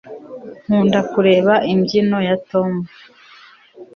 nkunda kureba imbyino ya tom